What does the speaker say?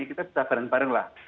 kita bisa bareng bareng lah